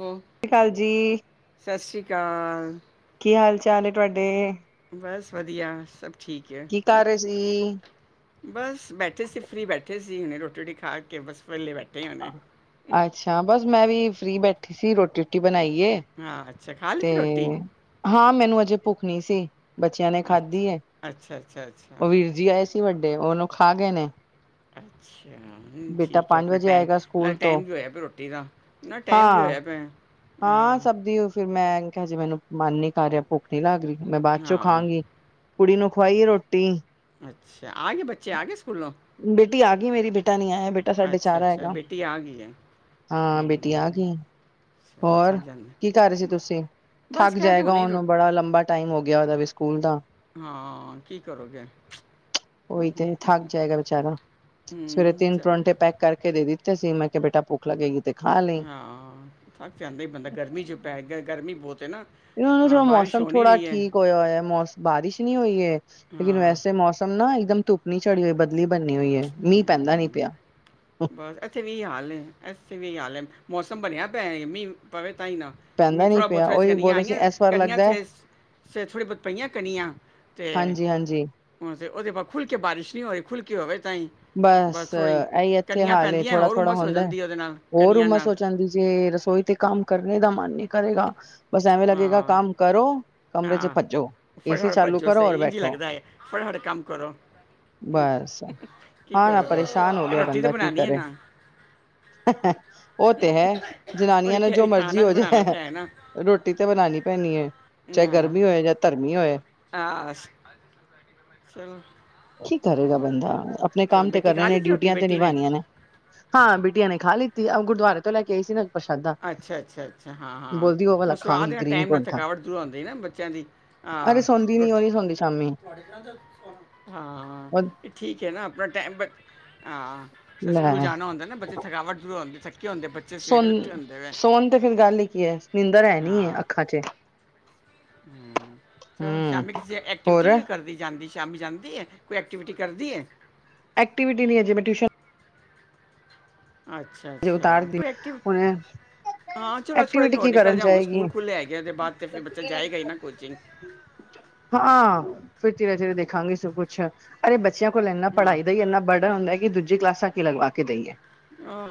ਹੋ ਸਤਿ ਸ਼੍ਰੀ ਅਕਾਲ ਜੀ, ਸਤਿ ਸ਼੍ਰੀ ਅਕਾਲ ਕੀ ਹਾਲ ਚਾਲ ਐ ਤੁਹਾਡੇ! ਬਸ ਵਧੀਆ ਸਭ। ਠੀਕ ਐ ਕੀ ਕਰ ਰਹੇ ਸੀ? ਬਸ ਬੈਠੇ ਸੀ ਫਰੀ ਬੈਠੇ ਸੀ। ਜੀ ਨੇ ਰੋਟੀ ਰੁਟੀ ਖਾ ਕੇ ਬਸ ਵਿਹਲੇ ਬੈਠੇ! ਹੁਣੇ ਅੱਛਾ ਬਸ ਮੈਂ ਵੀ ਫ੍ਰਰੀ ਬੈਠੀ ਸੀ ਰੋਟੀ ਰੋਟੀ। ਬਣਾਈਏ ਹਾਂ ਅੱਛਾ ਖਾ ਤੇ ਲਿੱਤੀ ਰੋਟੀ ਹਾਂ ਮੈਨੂੰ ਅਜੇ ਭੁੱਖ ਨਹੀਂ ਸੀ। ਬੱਚਿਆਂ ਨੇ ਖਾਧੀ ਐ ਅੱਛਾ ਅੱਛਾ ਅੱਛਾ ਅੱਛਾ ਉਹ ਵੀਰ ਜੀ ਆਏ ਸੀ ਵੱਡੇ ਉਹਨੂੰ ਖਾ ਗਏ ਨੇ! ਅੱਛਾ ਬੇਟਾ ਠੀਕ ਐ, ਪੰਜ ਆਪਣਾ ਵਜੇ ਟਾਈਮ। ਆਏਗਾ ਨਾਲ ਸਕੂਲ ਤੋਂ ਟਾਈਮ ਵੀ ਹੋਇਆ ਪਿਆ ਰੋਟੀ ਦਾ ਨਾ ਟਾਈਮ ਵੀ ਹਾਂ ਹੋਇਆ ਪਿਆ। ਹਾਂ, ਸਭ ਦੀ ਉਹ ਫਿਰ ਮੈਂ ਕਿਹਾ ਹਜੇ ਮੈਨੂੰ ਮਨ ਨੀ ਕਰ ਰਿਹਾ ਭੁੱਖ ਨੀ ਲੱਗ ਰਹੀ। ਮੈਂ ਬਾ ਚੋਂ ਹਾਂ ਖਾਗੀ! ਕੁੜੀ ਨੂੰ ਖਵਾਈ ਰੋਟੀ। ਅੱਛਾ ਆ ਗਏ ਬੱਚੇ ਆ ਗਏ ਸਕੂਲੋਂ ਬੇਟੀ ਆ ਗਈ ਮੇਰੀ ਬੇਟਾ ਨਹੀਂ ਆਇਆ। ਬੇਟਾ ਸਾਡੇ ਅੱਛਾ ਚਾਰਾ ਅੱਛਾ ਹੈਗਾ ਬੇਟੀ ਆ ਗਈ ਹੈ ਹਾਂ ਬੇਟੀ ਆ ਹੂੰ, ਗਈ। ਚਲੋ ਹੋਰ ਥੱਕ ਜਾਂਦੇ ਕੀ ਕਰ ਰਹੇ ਸੀ ਤੁਸੀਂ ਬਸ ਥੱਕ ਕਹਿ ਤੇ ਜਾਏਗਾ ਹੁਣੇ ਉਹਨੂੰ ਰੋਟੀ ਬੜਾ ਲੰਬਾ ਟਾਈਮ ਹੋ ਗਿਆ ਉਹਦਾ! ਸਕੂਲ ਦਾ ਹਾਂ ਕੀ ਕਰੋਗੇ। ਹੂੰ, ਉਹੀ ਹੂੰ। ਤੇ ਥੱਕ ਜਾਏਗਾ ਬੇਚਾਰਾ ਸਵੇਰੇ ਹੂੰ, ਤਿੰਨ ਚਲੋ ਪਰੋਂਟੇ ਪੈਕ ਕਰਕੇ ਦੇ ਦਿੱ ਸੀ ਮੈਂ ਕਿਹਾ ਬੇਟਾ ਭੁੱਖ ਲੱਗੇ ਗੀ ਤੇ ਖਾ ਲਈ। ਹਾਂ, ਸਭ ਚਾਂਦੇ ਬੰਦਾ ਗਰਮੀ ਚ ਪੈ ਗਿਆ ਗਰਮੀ ਬਹੁਤ ਐ ਨਾ। ਇਹ ਹਾਂ, ਬਾਰਿਸ਼ ਮੌਸਮ ਹੋ ਨੀ ਥੋੜਾ ਰਹੀ ਹੈ। ਠੀਕ ਹੋਇਆ ਹੋਇਆ ਮੌਸਮ ਬਾਰਿਸ਼ ਨਹੀਂ ਹੋਈ ਐ। ਲੇਕਿਨ ਹਾਂ, ਵੈਸੇ ਮੌਸਮ ਨਾ ਇੱਕਦਮ ਧੁੱਪ ਨੀ ਚੜੀ ਹੋਈ ਬਦਲੀ ਬਣੀ। ਹੂੰ, ਬਸ ਇੱਥੇ ਵੀ ਇਹੀ ਹਾਲ ਐ ਇੱਥੇ ਵੀ ਇਹੀ ਹਾਲ ਐ ਮੌਸਮ ਸੰਭਣਿਆ ਪਿਆ ਮੀਂਹ ਪਵੇ ਤਾਂਹੀ ਨਾ ਪੈਂਦਾ ਮੀਂਹ ਨੀ ਥੋੜਾ ਪਿਆ ਬਹੁਤ ਉਹੀ ਬੋਲ ਕਣੀਆਂ ਰਹੇ ਸੀ ਆਈਆਂ ਇਸ ਵਾਰ ਕਣੀਆਂ ਲੱਗਦਾ ਏਥੇ। ਸਵੇਰੇ ਥੋੜ੍ਹੀ ਬਹੁਤ ਪਈਆਂ ਕਣੀਆਂ ਤੇ ਜੀ, ਹੁਣ ਤੇ ਉਹਦੇ ਬਾਅਦ ਖੁੱਲਕੇ ਬਾਰਿਸ਼ ਨਹੀਂ ਹੋਈ ਖੁੱਲਕੇ ਹੋਵੇ ਤਾਂਹੀ। ਬਸ ਇਹੀ ਇੱਥੇ ਹਾਲ ਪੈਂਦੀਆਂ ਥੋੜਾ ਹੋਰ ਥੋੜ੍ਹਾ ਉਮਸ ਹੋ ਹੁੰਦਾ। ਜਾਂਦੀ ਉਹਦੇ ਨਾਲ, ਹੋਰ ਕਣੀਆਂ ਉਮਰ ਨਾਲ। ਸੋ ਜਾਂਦੀ ਜੇ ਰਸੋਈ ਤੇ ਕੰਮ ਕਰਨੇ ਦਾ ਮਨ ਨਹੀਂ ਕਰੇਗਾ। ਬਸ ਐਵੇਂ ਲੱਗੇਗਾ ਹਾਂ, ਕੰਮ ਕਰੋ। ਕਮਰੇ ਚ ਹਾਂ, ਭੱਜੋ ਏਸੀ ਫਟਾਫਟ ਚਾਲੂ ਭੱਜੋ ਕਰੋ ਔਰ ਸਹੀ ਇੰਝ ਹੀ ਬੈਠੋ। ਲੱਗਦਾ ਹੈ, ਫਟਾਫਟ ਕੰਮ ਕਰੋ। ਬਸ ਕੀ ਹਾਂ ਨਾ ਪਰੇਸ਼ਾਨ ਹੋ ਕਰੋਗੇ ਗਿਆ ਰੋਟੀ ਤਾਂ ਬੰਦਾ ਕੀ ਬਣਾਣੀ ਹੈ ਕਰੇ। ਨਾ, ਉਹ ਤੇ ਹੈ ਉਹੀ ਜਨਾਨੀਆਂ ਨੂੰ ਕਹਿ ਜੋ ਰਹੀ ਮਰਜ਼ੀ ਖਾਣਾ ਤਾਂ ਹੋਜੇ। ਬਣਾਣਾ ਤਾਂ ਹੈ ਨਾ। ਰੋਟੀ ਤਾਂ ਬਣਾਣੀ ਪੈਣੀ ਐ ਚਾਹੇ ਹਾਂ, ਗਰਮੀ ਹੋਏ ਚਾਹੇ ਧਰਮੀ ਹੋਏ। ਸਹੀ। ਕੀ ਕਰੇਗਾ ਬੰਦਾ ਆਪਣੇ ਕੰਮ ਤੇ ਬੇਟੀ ਕਰੇ ਖਾ ਨੇ ਲਿੱਤੀ ਰੋਟੀ ਡਿਊਟੀਆਂ ਤੇ ਬੇਟੀ ਨਿਭਾਉਣੀਆਂ ਨੇ ਹਾਂ ਬਿਟੀਆਂ ਨੇ ਖਾ ਲਿੱਤੀ ਗੁਰਦੁਆਰੇ ਤੋਂ ਲੈ ਕੇ ਆਈ ਸੀ ਨਾ ਪ੍ਰਸ਼ਾਦਾ ਅੱਛਾ ਅੱਛਾ ਅੱਛਾ ਹਾਂ ਹਾਂ ਬੋਲਦੀ ਉਹ ਵਾਲਾ ਹੁਣ ਸੁਆਹ ਖਾਂਗੀ ਦੇ ਨਾਲ ਗ੍ਰੀਨ ਟਾਈਮ ਨਾਲ ਪਰੌਂਠਾ। ਥਕਾਵਟ ਜ਼ਰੂਰ ਆਉਂਦੀ ਹੈ ਨਾ ਬੱਚਿਆਂ ਦੀ ਅਰੇ ਸੌਂਦੀ ਹਾਂੋ ਨੀ ਉਹ ਨੀ ਸੌਂਦੀ ਸ਼ਾਮੀ ਹਾਂ ਉਹ ਇਹ ਠੀਕ ਹੈ ਨਾ ਆਪਣਾ ਟਾਈਮ ਹਾਂ ਫ ਸਕੂਲ ਲੈ ਜਾਣਾ ਹੁੰਦਾ ਨਾ ਬੱਚੇ ਥਕਾਵਟ ਦੁੰ ਥੱਕੇ ਹਦੇ ਬੱਚੇ ਸਵੇਰੇ ਉੱਠੇ ਹੁੰਦੇ ਵੇ ਸੋਣ ਤੇ ਫਿਰ ਗੱਲ ਹੀ ਕੀ ਹੈ ਨਿੰਦਰ ਹੈ ਨੀ ਅੱਖਾਂ ਚ ਹਮ ਚਲ ਹਮ ਸ਼ਾਮੀ ਕਿਸੇ ਹੋਰ ਐਕਟੀਵਿਟੀ ਵੀ ਕਰਦੀ ਜਾਂਦੀ ਸ਼ਾਮੀ ਜਾਂਦੀ ਕੋਈ ਐਕਟੀਵਿਟੀ ਕਰਦੀ ਹੈ ਐਕਟੀਵਿਟੀ ਨਹੀਂ ਹੈ ਜਿਵੇੈਂ ਟਿਊਸ਼ਨ ਅੱਛਾ ਹਜੇ ਅੱਛਾ ਉਤਾਰਦੀ ਕੋਈ ਐਕਟੀਵਿਟੀ ਹੁਣੇ ਹਾਂ ਚਲੋ ਥੋੜੇ ਦਿਨ ਐਕਟੀਵਿਟੀ ਹੋਰ ਕੀ ਨਿਕਲ ਕਰਨ ਜਾ ਹੁਣ ਜਾਏਗੀ ਸਕੂਲ ਖੁੱਲੇ ਹੈਗੇ ਉਹਦੇ ਬਾਅਦ ਤੇ ਫਿਰ ਬੱਚ ਜਾਏਗਾ ਹੀ ਨਾ ਕੋਚਿੰਗ ਹਾਂ ਫਿਰ ਧੀਰੇ ਧੀਰੇ ਦੇਖਾਂਗੇ ਸਭ ਕੁੱਛ ਅਰੇ ਬੱਚਿਆਂ ਕੋਲ ਇੰਨਾ ਹਾਂ ਪੜ੍ਹਾਈ ਦਾ ਹੀ ਇੰਨਾ ਬਰਡਨ ਹੁੰਦਾ ਕਿ ਦੂਜ ਕਲਾਸਾਂ ਕੀ ਲਗਵਾ ਕੇ ਦਈਏ ਹਹ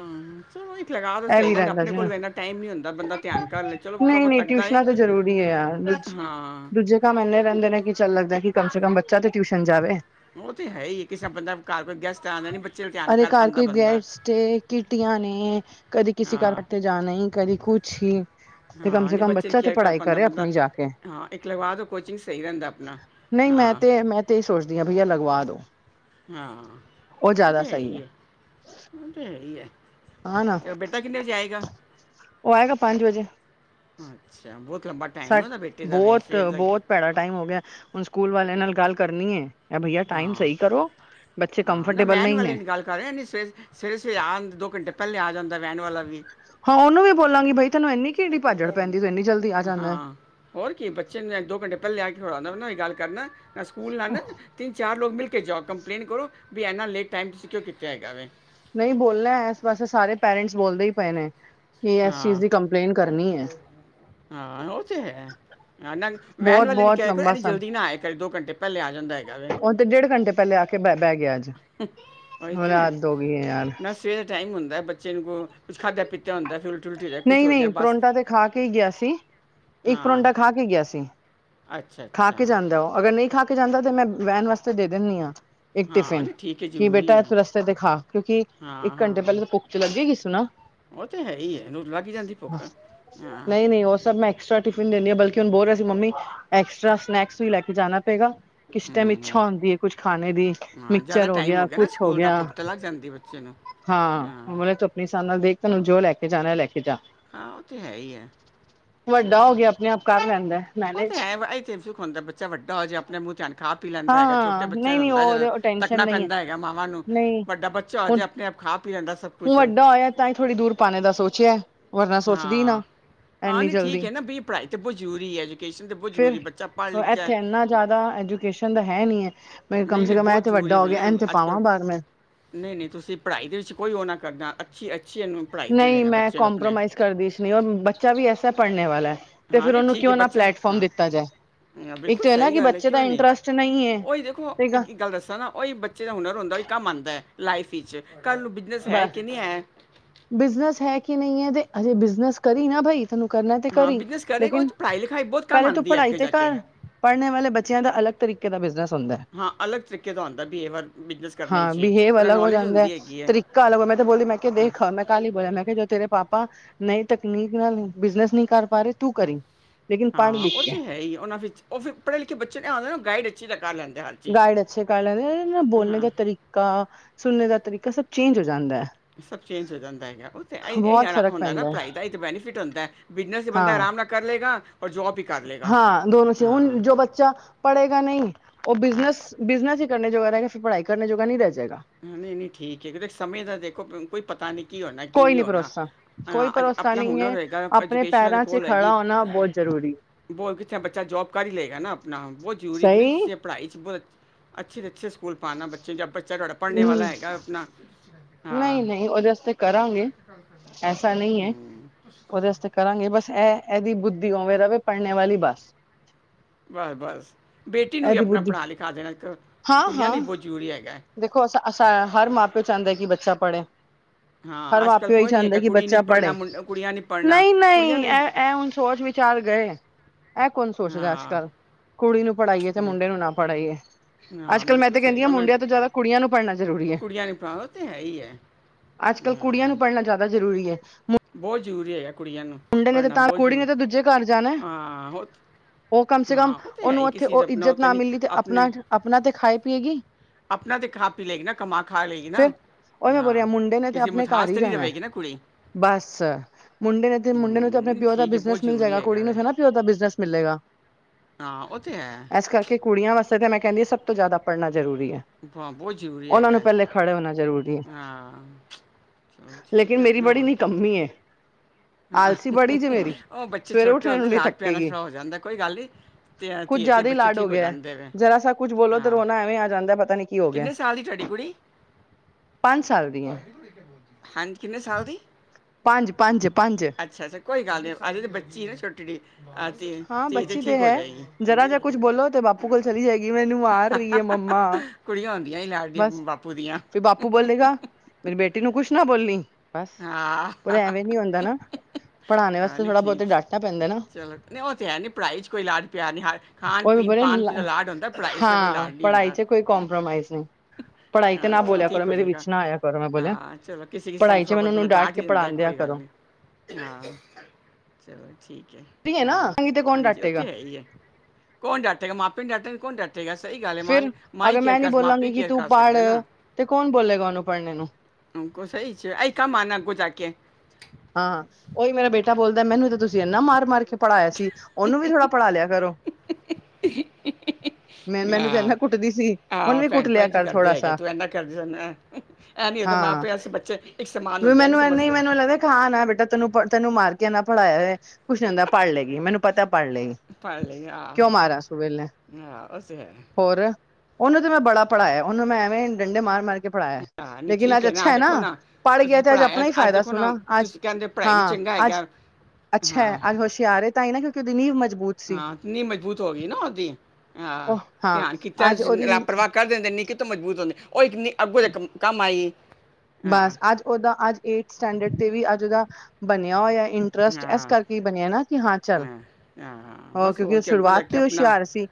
ਚਲੋ ਇੱਕ ਲਗਾ ਤਾਂ ਸਹੀ ਰਹਿੰਦਾ ਆਪਣੇ ਕੋਲ ਵੀਨਾ ਟਾਈਮ ਨੀ ਹੁੰਦਾ ਬੰਦਾ ਧਿਆਨ ਕਰਨ ਲਈ ਚਲੋ ਚਬਤ ਤੱਕਦਾ ਹੈ ਪੁੱਛਣਾ ਤਾਂ ਜਰੂਰੀ ਹੈ ਯਾਰ ਦ ਹਾਂ ਦੂਜੇ ਕੰਮ ਇੰਨੇ ਰਹਿੰਦੇ ਨੇ ਕੀ ਚੱਲ ਲੱਗਦਾ ਕਮ ਸੇ ਕਮ ਬੱਚਾ ਤੇ ਟਿਊਸ਼ਨ ਜਾਵੇ ਉਹ ਤੇ ਹੈ ਹੀ ਕਿਸੇ ਬੰਦਾ ਘਰ ਕੋਈ ਗੈਸਟ ਆਉਂਦਾ ਨੀ ਬੱਚੇ ਨੂੰ ਅਰੇ ਕਰ ਘਰ ਪਾਉਂਦਾ ਕੋਈ ਬੰਦਾ ਗੈਸਟ ਏ, ਕਿਟੀਆਂ ਨੇ ਕਦੇ ਕਿਸੇ ਹਾਂ ਕਾਰ ਤੇ ਜਾਣਾ ਹੀ ਕਦੀ ਕੁਛ ਹੀ ਤੇ ਕਮ ਹਾਂ ਸੇ ਨਹੀਂ ਕਮ ਬੱਚੇ ਬੱਚਾ ਤੇ ਕੇਅਰ ਕਰ ਪੜ੍ਹਾਈ ਪਾਉਂਦਾ ਕਰੇ ਬੰਦਾ ਆਪਣੀ ਜਾ ਕੇ। ਹਾਂ ਇੱਕ ਲਗਵਾਤ ਉਹ ਕੋਚਿੰਗ ਸਹੀ ਰਹਿੰਦਾ ਆਪਣਾ ਨਹੀਂ ਮੈਂ ਹਾਂ ਤੇ ਮੈਂ ਤੇ ਇਹਹੀ ਸੋਚਦੀ ਹਾਂ ਭਈਆ ਲਗਵਾ ਦੋ ਹਾਂ ਉਹ ਤੇ ਹੈ ਹੀ ਹੈ ਉਹ ਤੇ ਹੈ ਹੀ ਹੈ ਹਾਂ ਨਾ ਚਲੋ ਬੇਟਾ ਕਿੰਨੇ ਵਜੇ ਆਏਗਾ ਉਹ ਆਏਗਾ ਪੰਜ ਵਜੇ ਅੱਛਾ ਬਹੁਤ ਲੰਬਾ ਟਾਈਮ ਸਾ ਹੈ ਉਹਦਾ ਬੇਟੇ ਦਾ ਵੀ ਬਹੁਤ ਸਵੇਰ ਦਾ ਬਹੁਤ ਭੈੜਾ ਟਾਈਮ ਹੋ ਗਿਆ ਹੁਣ ਸਕੂਲ ਵਾਲਿਆਂ ਨਾਲ ਗੱਲ ਕਰਨੀ ਹੈ ਭਈਆ ਟਾਈਮ ਹਾਂ ਸਹੀ ਕਰੋ ਬੱਚੇ ਹਾਂ ਨਾ ਕੰਫਰਟੇਬਲ ਵਹਿਨ ਨਹੀਂ ਨੇ ਵਾਲੇ ਗੱਲ ਕਰ ਰਹੇ ਸਵੇ ਸਵੇਰੇ ਸਵੇਰੇ ਆ ਦੋ ਘੰਟੇ ਪਹਿਲੇ ਆ ਜਾਂਦਾ ਵ ਹਾਂ ਉਹਨੂੰ ਵੀ ਬੋਲਾਂਗੀ ਬਈ ਤੈਨੂੰ ਇੰਨੀ ਕਿਹੜੀ ਭਾਜੜ ਪੈਂਦੀ ਤੂੰ ਇੰਨੀ ਜਲਦੀ ਆ ਜਾਂਦਾ ਹਾਂ ਹੋਰ ਕੀ ਬੱਚੇ ਨੂੰ ਦੋ ਘੰਟੇ ਪਹਿਲ ਲਿਆ ਕੇ ਥੋੜਾ [unintelligible] ਜਾਓ ਕੰਪਲੇਂਟ ਕਰੋ ਵੀ ਇਨਾ ਲੇਟ ਟਾਈਮਸੀਂ ਕਿਉਂ ਕਿਥ ਹੈਗਾ। ਨਹੀਂ ਬੋਲਣਾ ਇਸ ਪਾਸੇ ਸਾਰੇ ਪੇਰੈਂਟਸ ਬੋਲਦੇ ਹੀ ਪਏ ਨੇ, ਕਿ ਇਸ ਚੀਜ਼ ਹਾਂ ਦੀ ਕੰਪਲੇਨ [unintelligible] ਹਾਂ ਉਹ ਤੇ ਹੈ, ਵੈਨ ਵਾਲੇ ਨੇ ਬਹੁਤ-ਬਹੁਤ ਕਿਹਾ ਲੰਬਾ ਕਰੋਨੀ ਸਮ ਜਲਦੀ ਨਾ ਆਏ ਕਰੇ ਦੋ ਘੰਟੇ ਪਹਿਲੇ ਆ। ਜਾਂਦਾ ਹੈਗਾ ਵੇ ਉਹ ਤੇ ਡੇਢ ਘੰਟੇ ਪਹਿਲੇ ਆ ਕੇ ਬ ਬਹਿ ਗਿਆ। ਅੱਜ ਉਹੀ ਹੁਣ ਤੇ ਹੱਦ ਹੋ ਗਈ ਹੈ ਯਾਰ ਨਾ ਸਵੇਰੇ ਟਾਈਮ ਹੁੰਦਾ। ਬੱਚੇ ਨੂੰ ਕੋ ਕੁਛ ਖਾਧਾ ਪੀਤਾ ਹੁੰਦਾ ਫਿਰ ਉਲਟੀ ਹੋ ਜਾਏ ਕੁਝ ਨਹੀਂ ਹੋ ਜਾਏ ਨਹੀਂ ਬਸ ਪਰੋਂਠਾ ਤੇ ਖਾ ਕੇ ਹੀ ਗਿਆ ਸੀ। ਇੱਕ ਹਾਂ ਪਰੋਂਡਾ ਖਾ ਕੇ ਗਿਆ ਸੀ, ਅੱਛਾ ਖਾ ਅੱਛਾ ਕੇ ਜਾਂਦਾ ਉਹ ਅਗਰ ਨਹੀਂ ਖਾ ਜਾਂਦਾ ਤੇ ਮੈਂ ਵਹਿਣ ਵਾਸਤੇ ਦੇ ਦਿੰਦੀ ਹਾਂ। ਇੱਕ ਹਾਂ ਟਿਫਿਨ ਨਹੀਂ ਠੀਕ ਹੈ ਕਿ ਜ਼ਰੂਰੀ ਬੇਟਾ ਹੈ ਤੂੰ ਰਸਤੇ ਤੇ ਖਾ, ਕਿਉਂਕਿ ਹਾਂ ਇੱਕ ਘੰਟੇ ਹਾਂ ਪਹਿਲਾਂ ਭੁੱਖ ਚ ਲੱਗੇਗੀ ਸੀ। ਉਹ ਤੇ ਹੈ ਹੀ ਹੈ। ਨੂੰ ਲੱਗ ਹੀ ਜਾਂਦੀ ਭੁੱਖ ਹਾਂ ਨਹੀਂ ਨਹੀਂ ਉਹ ਸਭ ਮੈਂ ਐਕਸਟਰਾ ਟਿਫਨ ਦਿੰਦੇ ਹ ਬਲਕਿ ਹੁਣ ਬੋ ਰਿਹਾ ਸੀ, ਮੰਮੀ ਐਕਸਟਰਾ ਸਨੈਕਸ ਨੂੰ ਹੀ ਲੈ ਕੇ ਜਾਣਾ ਪਏਗਾ। ਕਿਸ ਟਾਈਮ ਹਮ, ਇੱਛਾ ਹੁੰਦੀ ਹੈ, ਕੁਛ ਖਾਣੇ ਦੀ ਹਾਂ ਜ਼ਿਆਦਾ ਮਿਕਚਰ ਹੋ ਟਾਈਮ ਗਿਆ ਨਾ ਕੁਛ ਹੋ ਸਕੂਲ ਦਾ ਗਿਆ। ਭੁੱਖ ਤਾਂ ਲੱਗ ਜਾਂਦੀ ਬੱਚੇ ਨੂੰ ਹਾਂ ਮਤਨਬ ਤੂੰ ਆਪਣੀ ਸਾਨ ਨਾਲ ਦੇਖ ਤੁਹਾਨੂੰ ਜੋ ਲੈ ਕੇ ਜਾਣਾ ਉਹ ਲੈ ਕੇ ਜਾ। ਹਾਂ ਉਹ ਤੇ ਹੈ ਹੀ ਆ ਵੱਡਾ ਚਲੋ। ਹੋ ਗਿਆ ਆਪਣੇ ਆਪ ਕਰ ਲੈਂਦਾ ਉਹ ਤੇ ਮੈਨੇਜ ਹੈਂ ਇ ਤੇ ਸੁਖ ਹੁੰਦਾ ਬੱਚਾ ਵੱਡਾ ਹੋ ਜਾੇ ਆਪਣੇ ਮੂੰਹ ਤੇਨ ਖਾ। ਪੀ ਲੈਂਦਾ ਹੈਗਾ ਛੋਟੇ ਹਾਂ ਬੱਚਿਆਂ ਨਹੀਂ ਦਾ ਨਹੀਂ ਹੁੰਦਾ ਜ ਉਹ ਟੈਨਸ਼ਨ ਤੱਕਣਾ ਨਹੀਂ ਹੈ ਪੈਂਦਾ ਹੈਗਾ ਮਾਵਾਂ ਨੂੰ ਵੱਡਾ ਬੱਚਾ ਹੋ ਜਾੇ ਆਪਣੇ ਆਪ ਖਾ ਪੀ ਲੈਂਦਾ। ਸਭ ਹੁ ਕੁਝ ਵੱਡਾ ਹੋਇਆ ਤਾਂ ਹੀ ਥੋੜ੍ਹੀ ਦੂਰ ਪਾਉਣੇ ਦਾ ਸੋਚਿਆ ਵਰਨਾ ਸੋਚਦੀ ਨਾ। ਹਾਂ, ਹਾਂ ਇੰਨੀ ਨਹੀਂ ਠੀਕ ਜਲਦੀ ਹੈ ਨਾ ਬ ਪੜ੍ਹਾਈ ਤੇ ਬਹੁਤ ਜ਼ਰੂਰੀ ਹੈ, ਐਜੂਕੇਸ਼ਨ ਤੇ ਬਹੁਤ ਫਿਰ ਜ਼ਰਰੀ ਬੱਚਾ ਪੜ੍ਹ ਲਿਖ ਜਾਏ। ਇੱਥੇ ਇੰਨਾ ਜ਼ਿਆਦਾ ਐਜੂਕੇਸ਼ਨ ਦਾ ਹੈ ਨਹੀਂੀ ਹੈ। ਮੈਂ ਕਮ ਨਹੀਂ ਸੇ ਨਹੀਂ ਕਮ ਇਹ ਬਹੁਤ ਤੇ ਜ਼ਰੂਰੀ ਵੱਡਾ ਹੈ, ਹੋ ਗਿਆ ਬਈਆ ਇਹਨ ਤੇ ਅੱਜ ਕੱਲ ਪਾਵਾਂ ਬਾਹਰ ਮੈਂ ਨਹੀਂ ਨਹੀਂ ਤੁਸੀਂ ਪੜ੍ਹਾਈ ਦੇ ਵਿੱਚ ਕੋਈ ਨਾ ਕਰਦਾ ਅੱਛੀ ਅੱਛੀ ਨਹੀਂ ਮੈਂ ਕਮਪ੍ਰੋਮਾਈਜ਼ ਕਰਦੀ ਇਸ ਨਹੀਂ ਰ ਬੱਚਾ ਵੀ ਐਸਾ ਹੈ ਪੜ੍ਹਨ ਵਾਲਾ ਹੈ। ਤੇ ਫਿਰ ਉਹਨੂੰ ਕਿਉਂ ਨਾ ਪਲੈਟਫਾਰਮ ਦਿੱਤਾ ਜਾਏ। ਹ ਇੱਕ ਬਿਲਕੁਲ ਤਾਂ ਨਾ ਸਹੀ ਕਿ ਗੱਲ ਹੈ, ਬੱਚੇ ਦਾ ਕਿਉਂ ਨੀ ਇੰਟਰਸਟ ਨਹੀਂ ਹੈ ਉਹੀ ਦੇਖੋ ਤੇ ਇੱਕ ਗੱਲ ਦੱਸਾਂ ਨਾ ਉਹੀ ਬੱਚੇ ਦਾ ਹੁਨਰ ਹੁੰਦਾ। ਕੰਮ ਆਉਦਾ ਲਾਈਫ ਵਿੱਚ। ਕੱਲ੍ਹ ਨੂੰ ਬਿਜ਼ਨਸ ਹੈ ਬਸ ਕਿ ਨਹੀਂ ਹੈ। ਬਿਜਨਸ ਹੈ ਕਿ ਨਹੀਂ ਹੈ ਤੇ ਹਜੇ ਬਿਜਨਸ ਕਰੀ ਨਾ ਭਾਈ। ਤਨੂੰ ਕਰਨਾ ਤੇ ਹਾਂ ਕਰੀ ਬਿਜ਼ਨਸ ਕਰੇਗਾ ਉਹ ਲੇਕਿਨ 'ਚ ਪੜ੍ਹਾਈ-ਲਿਖਾਈ ਬਹੁਤ ਕੰਮ ਪਹਿਲੇ ਤੂੰ ਆਂਦੀ ਹੈ ਪੜ੍ਹਾਈ ਅੱਗੇ ਤੇ ਜਾ ਕੇ। ਕਰ ਪੜ੍ਹਨੇ ਵਾਲੇ ਬੱਚਿਆਂ ਦਾ ਅਲੱਗ ਤਰੀਕਾ। ਹਾਂ ਅਲਗ ਤਰੀਕੇ ਦਾ ਆਉਂਦਾ ਬ ਬਿਨ ਕਰਨ ਹਾਂ ਬਿਹੇਵ ਉਹ ਅਲੱਗ ਹੋ ਨੌਲੇਜ ਜਾਂਦਾ ਹੁੰਦੀ ਹੈਗੀ ਹੈ। ਤਰੀਕਾ ਅਲਗ ਮੈਂ ਤੇ ਬੋਲੀ ਮੈਂ ਕਿਹਾ ਦੇਖ ਮੈਂ ਕੱਲ ਹੀ ਬੋਲਿਆ ਮੈਂ ਕਿਹਾ ਜੋ ਤੇਰੇ ਪਾਪਾ ਨਹੀਂ ਤੇ ਤਕਨੀਕ ਨਾਲ ਬਿਜਨਸ ਨਹੀਂ ਕਰ ਪਾ ਰਹੇ ਤੂੰ ਕਰੀ। ਲੇਕਿਨ ਪੜ੍ਹ ਹਾਂ ਲਿਖ ਉਹ ਕੇ ਤੇ ਹੈ ਹੀ ਉਹ ਫਿਰ ਉਹ ਫ ਪੜ੍ਹੇ ਲਿਖੇ ਬੱਚੇ ਨੇ ਆਉਂਦੇ ਗਾਈਡ ਅੱਛੀ ਦਾ ਕਰ ਲੈਂਦੇ। ਹਰ ਚੀਜ਼ ਗਾਈਡ ਅੱਛੇ ਕਰ ਲੈਂਦੇ ਨਾਲ ਬੋਲਣੇ ਦਾ ਹਾਂ, ਤਰੀਕਾ ਸੁਣਨੇ ਦਾ ਤਰੀਕਾ। ਸਭ ਚੇਂਜ ਹੋ ਜਾਂਦਾ ਸਭ ਚੇਂਜ ਹੋ ਜਾਂਦਾ ਹੈਗਾਥ ਹੈ ਬਹੁਤ ਇਹ ਫ਼ਰਕ ਹੁੰਦਾ ਨਾ ਪੈਂਦਾ ਪ ਹੈ ਦਾ ਬੈ। ਫਟ ਹੁੰਦਾ ਹੈ ਬਿਜਨਸ ਬੰਦਾ ਆਰਾਮ ਨਾਲ ਕਰ ਲਗਾ ਹਾਂ ਦੋਨੋ ਸੀ ਹੁ ਜੋ ਬੱਚਾ ਪੜ੍ਹੇਗਾ ਨਹੀਂ। ਉਹ ਬਿਜਨਸ ਬਿਜਨਸ ਹੀ ਕਰਨ ਜਗਾ ਰਹਿ ਫਿਰ ਪੜ੍ਹਾਈ ਕਰਨ ਜਗਗਾਾ ਨਹੀਂ ਰਹਿ ਜਾਏਗਾ। ਹ ਨਹੀਂ ਨਹੀਂ ਠੀਕ ਹੈ ਕਿਉਂ ਸਮੇਂ ਦਾ ਦੇਖੋ ਕੋਈ ਪਤਾ ਨੀ। ਕੀ ਹੋਣਾ ਕੀ ਨਹੀਂ ਹੋਣਾ ਕੋਈ ਭਰੋਸਾ ਆਪਣਾ ਨਹੀਂ ਹੁਨਰ ਹੈ ਹੋਏਗਾ ਆਪਣੇ ਐਜੂਕੇਸ਼ਨ ਦੇ ਪੈਰਾਂ 'ਚ ਕੋਲ ਖੜਾ ਹੈਏਗੀ। ਹੋਣਾ ਬਹੁਤ ਜ਼ਰੂਰੀ ਹੈ ਬਹੁ ਕਿਸੇ ਬੱਚਾ ਜ ਜੋਬ ਕਰ ਹੀ ਲਗਾ ਨਾ ਆਪਣਾ ਬਹੁਤ ਜ਼ਰੂਰੀੇ ਸਹੀ ਪੜ੍ਹਾਈ ਚ ਬਹੁਤ ਅੱਛੇ ਤੇ ਅੱਛੇ ਸਕੂਲ ਪਾਨਾ ਬੱਚੇ ਜ ਬੱਚਾ ਥੋੜ੍ਹਾ ਪੜ੍ਹੇ ਹਮ ਵਾਲਾ ਹੈਗਾ ਆਪਣਾ ਹਾਂ ਨਹੀਂ ਨਹੀਂ ਉਹਦੇ ਵਾਸਤੇ ਕਰਾਂਗੇ ਐਸਾ ਨਹੀਂ ਹੈ, ਹੂੰ ਉਹਦੇਾਸਤੇ ਕਰਾਂਗੇ ਬਸ ਇਹ ਇਹਦੀ ਬੁੱਧੀ ਹੋ ਵਰਾ ਵੀ ਪੜ੍ਹੇ ਵਾਲੀ ਬੱਸ। ਬਸ ਬਸ ਬੇਟੀ ਨੂੰ ਵੀ ਆਪਣਾ ਬੁੱਧੀ ਪੜ੍ਹਾ ਲਿਖਾ ਦੇਣਾ, ਇੱਕ ਕੁੜੀਆਂ ਲਈ ਬਹੁਤ ਜ਼ਰੂਰੀ ਹੈਗਾ। ਅ ਹਰ ਮਾਂ ਪਿਓ ਚਾਹੁੰਦੇ ਹੈ ਕਿ ਬੱਚਾ ਪੜ੍ਹੇ। ਹਰ ਹਾਂ ਅਜ ਮਾਂ ਕੱਲ੍ਹ ਪਿਓ ਹੀ ਕੋਈ ਨੀ ਹੈ ਚਾਹੁੰਦਾ ਕਿ ਕੁੜੀ ਨਹੀਂ ਬੱਚਾ ਪੜ੍ਹਨਾ ਪੜ੍ਹੇ ਕੁੜੀਆਂ ਨਹੀਂ ਪੜ੍ਹਨਾ ਕੁੜੀਆਂ ਨੂੰ ਵੀ ਚਾਰ ਗਏ। ਐਹ ਕੌਣ ਸੋਚਦਾ ਹਾਂ ਅੱਜ-ਕੱਲ। ਕੁੜੀ ਨੂੰ ਪੜ੍ਹਾਈਏ ਤੇ ਮੁੰਡੇ ਬਿਲਕੁਲ ਨੂੰ ਨਾ ਪੜ੍ਹਾਈਏ। ਅੱਜ ਹਾਂ ਕੱਲ੍ਹ ਮੈਂ ਬਿਲਕੁਲ ਤੇ ਸਹੀ ਕਹਿੰਦੀ ਹ ਗੱਲ, ਉਹਨਾਂ ਮੁੰਡਿਆਂ ਤੋਂ ਨੇ ਜ਼ਿਆਦਾ ਕੁੜੀਆਂ ਨੂੰ ਪੜ੍ਹਨਾ ਜ਼ਰੂਰੀ ਏ। [inaudible] ਆਜ-ਕਲ ਕੁੜੀਆਂ ਨੂੰ ਪੜ੍ਹਨਾ ਜ਼ਿਆਦਾ ਜ਼ਰੂਰੀ ਏ। ਬੋਤ ਜ਼ਰੂਰੀ ਹੈਗਾ ਕੁੜੀਆਂ ਨੂੰ ਤੇ ਪੜ੍ਹਨਾ ਤਾਂ ਬੋਤ ਕੁੜੀ ਜ਼ਰੂਰੀ ਨੇ ਅਅ ਹਾਂ। ਓ ਕਮ ਸੇ ਕਮ ਹਾਂ ਉਹ ਤੇ ਹੈ ਓਨੂੰ ਹੀ ਓਥੇ ਕਿਸੇ ਓ ਦਾ ਆਪਣਾ ਉਹ ਇੱਜਤ ਨਾ ਨਹੀਂ ਮਿਲੀ ਤੇ ਆਪਨਾ, ਆਪਨਾ ਤੇ ਖਾਏ ਪੀਏਗੀ। ਆਪਨਾ ਤੇ ਖਾ ਪੀ ਲੇਗੀ ਨਾ, ਕਮਾ, ਖਾ ਲੇਗੀ ਨਾ। ਉਹ ਮੈਂ ਬੋਲਿਆ ਹਾਂ ਮੁੰਡੇ ਨੇ ਤੇ ਕਿਸੇ ਆਪਣੇ ਘਰ ਮੁਥਾਜ ਹੀ ਤੇ ਨਹੀਂ ਰੇਣਾ। ਰਵੇਗੀ ਨਾ ਕੁੜੀ ਬਸ ਮੁੰਡੇ ਨੇ ਤੇ ਮੁੰਡੇ ਨੂੰ ਤੇ ਹਮ, ਆਪਣੇ ਨਹੀਂ ਪਿਓ ਦਾ ਠੀਕ ਹੈ ਬਹੁਤ ਬਿਜਨਸ ਮਿਲ ਜ਼ਰੂਰੀ ਜਾਏਗਾ। ਕੁੜੀ ਹੈਗਾ ਨੂੰ ਵੇ ਥੋੜਾ ਪਿਓ ਦਾ ਬਿਜਨਸ ਮਿਲੇਗਾ। ਹਾਂ, ਓ ਤੇ ਹੈ। ਇਸ ਕਰਕੇ ਕੁੜੀਆਂ ਮੈਂ ਕਹਿੰਦੀ ਸਭ ਤੋਂ ਜ਼ਿਆਦਾ ਪੜ੍ਹਨਾ ਜ਼ਰੂਰੀ ਏ। ਬ ਬਹੁਤ ਜ਼ਰੂਰੀ ਉਹਨਾ ਹੈਗਾ ਨੂੰ ਹੈ, ਪਹਿਲੇ ਖੜੇ ਹੋਣਾ ਜ਼ਰੂਰੀ ਹੈ ਹਾਂ ਚਲ ਠੀਕ ਲੇਕਿਨ ਹੈ, ਮੇਰੀ ਆਪਣਾ ਬੜੀ ਹੋਰ ਕੀ। ਨਿਕੰਮੀ ਹੈ ਹਾਂ ਉਹ ਬੱਚੇ ਸਵੇਰੇ ਛੋਟੇ ਉੱਠਣੇ ਨੂੰ ਹੁੰਦੇ ਨਹੀਂ ਲਾਟ ਪਿਆਰ ਥੱਕੇਗੀ ਛਰਾ ਹੋ ਜਾਂਦਾ ਕੋਈ ਗੱਲ ਨੀ ਤੇ ਕੁੱਝ ਜ਼ਿਆਦਾ ਹੀ ਲਾਡ ਹੋ ਗਿਆ। ਜਰਾ ਸਭ ਕੁੱਛ ਬੋਲੋ ਤਾਂ ਹਾਂ, ਰੋਣਾ ਐਵੇਂ ਆ ਜਾਂਦਾ ਪਤਾ ਨੀ ਕੀ ਹੋ ਗਿਆ। ਕਿੰਨੇ ਸਾਲ ਦੀ ਤੁਹਾਡੀ ਕੁੜੀ? ਪੰਜ ਸਾਲ ਦੀਆਂ। ਹਾਂਜੀ, ਕਿੰਨੇ ਸਾਲ ਦੀ? ਪੰਜ ਪੰਜ ਅੱਛਾ, ਅੱਛਾ ਕੋਈ ਗੱਲ ਨੀ ਅਜੇ ਬੱਚੀ ਨਾ ਛੋਟੀ ਜ ਹਾਂ ਬੱਚੀ ਤੇ ਹੈ ਜਰਾ ਜ ਕੁਛ ਬੋਲੋ ਤੇ ਬਾਪੂ ਕੋਲ ਚਲੀ ਜਾਏਗੀ ਮੈਨੂੰ ਮਾਰ ਰਹੀ ਏ ਮੰਮਾ। ਕੁੜੀਆਂ ਆਉਦੀਆਂ ਹੀ ਲਾਡਲੀਆਂ ਬਸ ਬਾਪੂ ਦੀਆਂ ਫਿਰ ਬਾਪੂ ਬੋਲੇਗਾ ਮੇਰੀ ਬੇਟੀ ਨੂੰ ਕੁਛ ਨਾ ਬੋਲੀ ਬਸ ਹਾਂ, ਐਵੇਂ ਨੀ ਹੁੰਦਾ ਨਾ। ਪੜ੍ਹਾਣੇ ਹਾਂ ਵਾਸਤੇ ਥੋੜਾ ਬਹੁਤੇ ਡਾਟਣਾ ਪੈਂਦਾ ਨਾ। ਪਿਆ ਨੀ ਪੜ੍ਹਾਈ 'ਚ ਕੋਈ ਲਾਡ ਪਿਆਰ ਨ ਉਹ ਖਾਣ-ਪੀਣ ਬੋਲੇ ਪਾਣਨ- ਪੀਣ ਦਾ ਲਾਡ ਹੁੰਦਾ ਪੜ੍ਹਾਈ ਦਾ ਕੋਈ ਲਾਡ ਨ ਨਹੀਂ ਹੁੰਦਾ। ਕੰਪਰੋਮਾਈਜ ਨਹੀਂ ਪੜ੍ਹਾਈ ਤੇ ਨਾ ਹਾਂ ਚਲੋ ਬੋਲਿਆ ਕਰੋ ਠੀਕ ਹੋ ਮੇਰੇ ਜਾਏਗਾ ਵਿੱਚ ਨਾ ਆਇਆ ਕਰੋ ਮੈਂ ਬੋਲਿਆ ਪੜ ਤ ਬੰਦਾ ਡਾਟ ਹੀ ਦੀ ਦਿੰਦਾ ਕੋਈ ਗੱਲ ਨੀ ਹਾਂ ਚਲੋ ਠੀਕ਼ ਫ੍ਰੀ ਹੈ ਹ ਨਾ ਤੇ ਕੌਣ ਹਾਂਜੀ ਓ ਤਾ ਡਾਟੇਗਾ ਹੈ ਈ ਕੌਣ ਡਾਟੇਂ ਗਾ ਮਾ ਪਿਓ ਈ ਡਾਟੇਂ ਗਾ। ਫਿਰ ਅਗਰ ਮੈਂ ਨੀ ਹੀ ਬੋਲਾਂਗੀ ਕਿ ਕੇਅਰ ਤੂੰ ਕਰ ਪੜ ਸਕਦੇ ਨਾ ਤੇ ਕੌਣ ਬੋਲੇਗਾ ਉਹਨੂੰ ਪੜ੍ਹਨੇ ਨੂੰ ਸਹੀ 'ਚ ਆਈ ਕੰਮ ਆਨਾ ਅੱਗੋ ਜਾ ਕੇ। ਹਾਂ ਉਹੀ ਮੇਰਾ ਬੇਟਾ ਬੋਲਦਾ ਮੈਨੂੰ ਤਾਂ ਤੁਸੀਂ ਇਨਾ ਮਾਰ- ਮਾਰ ਕੇ ਪੜ੍ਹਾਇਆ ਸੀ ਉਹਨੂੰ ਵੀ ਥੋੜ੍ਹਾ ਪੜ੍ਹਾ ਲਿਆ ਕਰੋ। ਮੈਂ [inaudible] ਮੈਨੂੰ ਤੇ ਆ ਇੰਨਾ ਕੁੱਟਦੀ ਸੀ ਹੁਣ ਆਹ ਵੀ ਕੁੱਟ ਲਿਆ ਭੈਣ-ਭਾਈ ਜੀ ਕਰ ਕਰਦੇ ਥੋੜਾ ਹੈਗੇ ਸਾ ਤੂੰ ਇਨਾ ਕਰਦੇ ਇਹ ਨੀ ਹੁੰਦਾ ਹਾਂ ਮਾਂ-ਪਿਓ ਬੱਚੇ ਇੱਕ ਸਮਾਨ ਹੁੰਦੇ ਏ ਨੀ ਸਮਝਦੇ। ਆ ਨਾ ਬੇਟਾ ਤੈਨੂੰ ਤੈਨੂੰ ਮਾਰ ਕੇ ਨਾ ਪੜਾਇਆ ਕੁਛ ਨੀ ਹੁੰਦੈ ਪੜ ਲੈ ਗਈ ਮੈਨੂੰ ਪਤਾ। ਪੜ੍ਹ ਲੈ ਗਈ ਪੜ੍ਹ ਲਈ ਹਾਂ ਕਿਉਂ ਮਾਰਾ ਉਸ ਵੇਲੇ ਹਾਂ ਉਹ ਤੇ ਹੈ ਹੋਰ ਉਹਨੂੰ ਤੇ ਮੈਂ ਬੜਾ ਪੜ੍ਹਾਇਆ ਉਹਨੂੰ ਮੈਂ ਐਵੇਂ ਡੰਡੇ ਮਾਰ- ਮਾਰ ਕੇ ਪੜਾਇਆ ਹਾਂ ਨਹੀਂ ਲੇਕੀਨ ਠੀਕ ਅੱਜ ਅੱਛਾ ਆਹ ਹੈ ਨਾ ਦੇਖੋ ਪੜ ਗਿਆ ਤੁਸੀਂ ਤੇ ਅੱਜ ਪੜ੍ਹਾਇਆ ਆਪਣਾ ਫਾਇਦਾ ਦੇਖੋ ਨਾ ਸੁਣਾ। ਅੱਜ ਤੁਸੀਂ ਕਹਿੰਦੇ ਪੜ੍ਹਾਈ ਵੀ ਹਾਂ ਚੰਗਾ ਅੱਜ ਹੈਗਾ ਅੱਛਾ ਹਾਂ ਹੈ ਅੱਜ ਹੁਸ਼ਿਆਰ ਏ ਤਾਈ ਨੀ ਕਿਉਂਕਿ ਨੀਵ ਮਜਬੂਤ ਹਾਂ ਇੰਨੀ ਮਜ਼ਬੂਤ ਹੋ ਗਈ ਨਾ ਉਹਦੀ ਹਾਅ ਉਹ ਹਾਂ ਧਿਆਨ ਕੀਤਾ ਅੱਜ ਉਹਦੀ ਲਾਪਰਵਾਹ ਕਰ ਦਿੰਦੇ ਮਜ਼ਬੂਤ ਹੁੰਦੀ ਉਹ [inaudible] ਅੱਗੋਂ ਜਾ ਕੇ ਕੰਮ ਆਏਗੀ। ਬਸ ਅੱਜ ਓਦਾ ਅੱਜ ਏਅ ਸਟੈਂਡਰਡ ਤੇ ਵੀ ਅੱਜ ਓਦਾ ਬਨਿਆ ਹੋਇਆ ਏ। ਇੰਟਰਸਟ ਇਸ ਹਾਂ ਕਰਕੇ ਹੀ ਬਣਿਆ ਨਾ ਕਿ ਹਾਂ ਚੱਲ ਹਾਂ ਹੋ ਬਸ ਕਿਉਂਕਿ ਹੋਰ ਉਹ ਕਿ ਅੱਗੋਂ ਜਾ ਸ਼ੁਰੂਆਤ ਕੇ ਤੇ ਆਪਣਾ ਹੁਸ਼ਿਆਰ ਸੀ।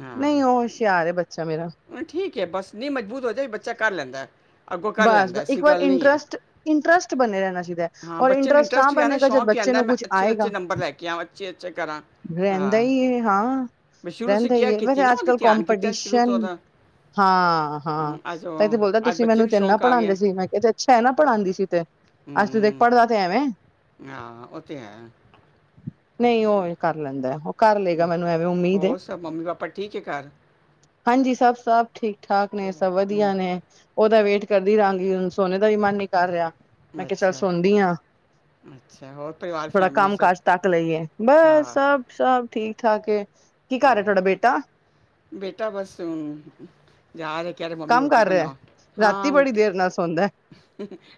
ਹਾਂ ਨਈ ਉਹ ਹੁਸ਼ਿਆਰ ਬੱਚਾ ਮੇਰਾ ਠੀਕ ਹੈ ਬਸ ਨਹੀਂ ਮਜਬੂਤ ਹੋ ਜੇ ਬੱਚਾ ਕਰ ਲੈਂਦਾ। ਅੱਗੋਂ ਕਰ ਬਸ ਲੈਂਦਾ ਬ- ਐਸੀ ਇੱਕ ਵਾਰ ਗੱਲ ਨਈ ਐ ਇੰਟਰਸਟ ਇੰਟਰਸਟ ਬਣੇ ਰਹਿਣਾ ਚਾਹੀਦਾ ਹੈ ਹਾਂ ਔਰ ਬੱਚੇ ਨੂੰ ਤਾਂ ਇੰਟਰਸਟ ਹੀ ਯ ਬਣੇਗਾ ਜਦ ਸ਼ੌਂਕ ਹੀ ਬੱਚੇ ਕਹਿੰਦਾ ਨੂੰ ਮੈਂ ਕੁਛ ਅੱਛੇ ਆਏਗਾ ਅੱਛੇ ਨੰਬਰ ਲੈ ਕੇ ਆਵਾ ਅਛੇ ਅੱਛੇ ਕਰਾਂ ਰਹਿੰਦਾ ਹਾਂ ਈ ਐ ਹਾਂ ਮੈਂ ਸ਼ੁਰੂ ਸੇ ਰਹਿੰਦਾ ਈ ਕੇਅਰ ਹੈ ਕੀਤੀ ਵੈਸੇ ਨਾ ਅੱਜ ਉਹਦੀ ਕੱਲ ਧਿਆਨ ਕੀਤਾ ਸ਼ੁਰੂ ਤੋਂ ਕਮਪਟੀਸ਼ਨ ਉਹਦਾ ਹਾਂ- ਹਾਂ ਹਮ, ਅੱਜ ਤਾਂ ਇਹ ਤੇ ਉਹ ਬੋਲਦਾ ਅੱਜ ਤੁਸੀਂ ਬੱਚੇ ਮੈਨੂੰ ਨੂੰ ਕਿੰਨਾ ਸ਼ੌਂਕ ਆ ਪੜਾਦੇਂ ਗਿਆ ਸੀ ਮੈਂ ਕਿਹਾ ਤੇ ਅੱਛਾ ਹੈ ਨਾ ਪੜ੍ਹਾਦੀ ਸੀ ਤੇ ਅੱਜ ਤੂੰ ਦੇਖ ਹਮ, ਪੜ੍ਹਦਾ ਤੇ ਐਵੇਂ ਹਾਂ ਓ ਤੇ ਹੈ। ਨਹੀਂ ਉਹ ਕਰ ਲੈਂਦਾ ਉਹ ਕਰ ਲਏਗਾ ਹਮ, ਮੈਨੂੰ ਐਵੇਂ ਉਮੀਦ ਐ। ਹੋਰ ਸਭ ਮੰਮੀ ਪਾਪਾ ਠੀਕ ਹੈ ਘਰ ਹਾਂਜੀ ਸਭ ਸਭ ਠੀਕ ਠਾਕ ਨੇ ਸਭ ਹਮ, ਵਧੀਆ ਨੇ ਉਹਦਾ ਵੇਟ ਕਰਦੀ ਰਹਾਂਗੀ ਹੁਣ ਸੋਨੇ ਦਾ ਵੀ ਮਨ ਨੀ ਕਰ ਰਿਹਾ ਮੈਂ ਕਿਹਾ ਚੱਲ ਅੱਛਾ ਸੋਂਦੀ ਆਂ। ਅੱਛਾ ਹੋਰ ਪਰਿਵਾਰ ਥੋੜਾ ਫੈਮਿਲੀ ਕੰਮ ਸਭ ਕਾਜ ਤੱਕ ਲਈਏ ਬਸ ਹਾਂ ਸਭ ਸਭ ਠੀਕ ਠਾਕ ਏ। ਕੀ ਕਰ ਹੈ ਹਮ, ਤੁਹਾਡਾ ਬੇਟਾ ਬੇਟਾ ਬਸ ਹ ਯਾਰ [unintelligible] ਕਿ ਮੰਮੀ ਕੰਮ ਰੋਟੀ ਕਰ ਰਿਹਾ ਬਣਾ ਹਾਂ ਰਾਤੀ ਬੜੀ ਦੇਰ ਨਾਲ ਸੋਣ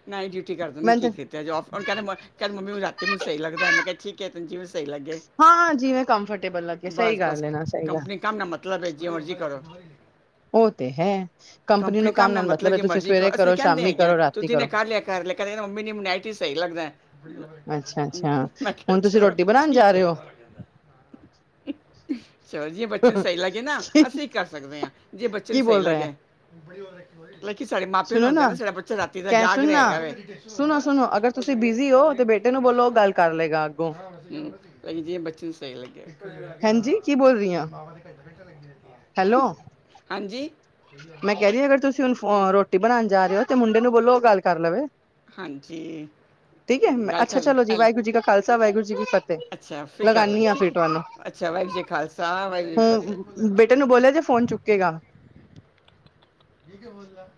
ਨਾਇਟ ਡਿਊਟੀ ਕਰ ਦ ਨਾ ਕੀ ਮੈਨੂੰ ਤੇ ਕੀਤਾ ਜਾਏ ਕਹਿੰਦਾ ਮੰਮੀ ਰਾਤੀ ਮੈਨੂੰ ਸਹੀ ਲੱਗਦਾ ਮੈਂ ਕਿਹਾ ਠੀਕ ਏ। ਹਾਂ ਜਿਵੇ ਕੰਫਰਟੇਬਲ ਲੱਗੇਿਆ ਸਹੀ ਬਸ ਗੱਲ ਬਸ ਹੈ ਨਾ ਸਹੀ ਗੱਲ ਕੰਪਨੀ ਕੰਮ ਨਾ ਮਤਲਬ ਹੈ ਜੇ ਮਰਜ਼ੀ ਕਰੋ। ਉਹ ਤੇ ਹੈ। ਕੰਪਨੀ ਨੂੰ ਕੰਮ ਨਾਲ ਮਤਲਬ ਹੈ ਜੀ ਤੁਸੀਂ ਮਰਜ਼ੀ ਸਵੇਰੇ ਕਰੋ ਅਸੀਂ ਕਹਿੰਦੇ ਸ਼ਾਮੀ ਹੈਗੇ ਕਰੋ ਤੂੰਂ ਰਾਤੀ ਕਰੋ ਦਿਨੇ ਕਰ ਲਿਆ ਕਰ ਲੇਕਿਨ ਕਹਿੰਦਾ [unintelligible] ਮਨੀ ਸਹੀ ਲੱਗਦਾ ਅੱਛਾ ਅੱਛਾ ਮੈਂ ਕਿਹਾ ਹੁਣ ਤੁਸੀਂ ਚਲੋ ਰੋਟੀ ਬਣਾਉਣ ਜਾ ਠੀਕ ਏ। ਰਹੇ ਹੋ [inaudible] ਚਲੋ ਜਿ ਬੱਚੇ ਸਹੀ ਲੱਗੇ ਨਾ ਅਸੀਂ ਕਰ ਸਕਦੇ ਹਾਂ ਜੇ ਬੱਚੇ ਨੂੰ ਕੀ ਸਹੀ ਬੋਲ ਰਹੇ ਹੈ, ਲੱਗਿਆ। [unintelligible] ਮੈਂ ਕਿਹਾ ਸਾਡੇ ਮਾਪੇ ਨੂੰ ਹੁੰਦੇ ਨਾ ਸਾਡਾ ਬੱਚਾ ਰਾਤੀ ਦਾ ਕ ਜਾਗ ਰਿਹਾ ਸੁਣਨਾ ਹੈਗਾ ਵੇ ਸੁਣੋ ਸੁਣੋ ਅਗਰ [inaudible] ਤੁਸੀਂ ਬਿਜ਼ੀ ਹੋ ਤੇ ਬੇਟੇ ਨੂੰ ਬੋਲੋ ਉਹ ਗੱਲ ਕਰ ਲਏਗਾ ਅੱਗੋਂ ਹੂੰ ਜਿ ਬੱਚੇ ਨੂੰ ਸਹੀ ਲੱਗਿਆ। ਹਾਂਜੀ ਕੀ ਬੋਲ ਰਹੀ ਹਾਂ ਹੈਲੋ ਹਾਂਜੀ ਮੈਂ ਕਹਿ ਰਹੀ ਅਗਰ ਤੁਸੀਂ ਹੁਣ ਰੋਟੀ ਬਣਾਉਣ ਜਾ ਰਹੇ ਹੋ ਤੇ ਮੁੰਡੇ ਨੂੰ ਬੋਲੋ ਉਹ ਗੱਲ ਕਰ ਲਵੇ। ਹਾਂਜੀ ਗੱਲ ਕਰ ਹੈੱਲ ਵਾਗੁਰੂੀ ਕੀ ਫ ਲਗਾਨੀ ਲਾਂਗੇ ਆ ਠੀਕ ਫਿਰਟਾਨੂੰ ਹੈ ਅੱਛਾ ਵਾਹਿਗੁਰੂ ਜੀ ਕਾ ਖਾਲਸਾ ਵਾਹਿਗੁਰੂ ਜੀ ਕੀ ਫਤਿਹ ਹੁ ਬੇਟੇ ਨੂੰ ਬੋਲਿਆ ਜੇ ਫੋਨ ਚੁੱਕੇਗਾ ਕੀ ਕੀ ਬੋਲਦਾ